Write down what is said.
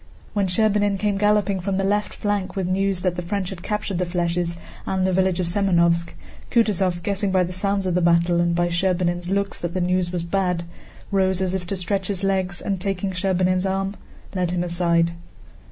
When Scherbínin came galloping from the left flank with news that the French had captured the flèches and the village of Semënovsk, Kutúzov, guessing by the sounds of the battle and by Scherbínin's looks that the news was bad, rose as if to stretch his legs and, taking Scherbínin's arm, led him aside.